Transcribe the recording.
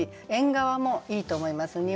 「縁側」もいいと思います